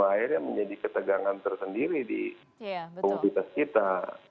sehingga semuanya menjadi ketegangan tersendiri di komunitas kita